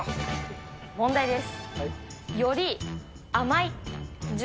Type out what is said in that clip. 問題です。